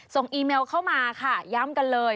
อีเมลเข้ามาค่ะย้ำกันเลย